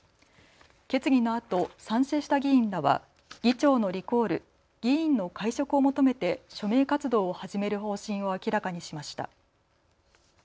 決議のあと賛成した議員らは議長のリコール・議員の解職を求めて署名活動を始める方針を明らかにしました。